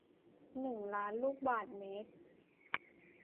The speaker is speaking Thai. หนึ่งล้าน ลูกบาศก์เมตร